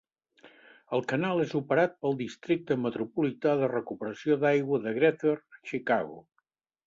El canal és operat pel Districte Metropolità de Recuperació d'Aigua de Greater Chicago.